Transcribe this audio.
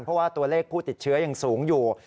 เพราะว่าตัวเลขผู้ติดเชื้อยังสูงอยู่